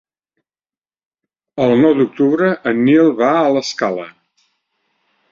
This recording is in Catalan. El nou d'octubre en Nil va a l'Escala.